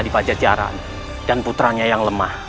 di pajak jarak dan putranya yang lemah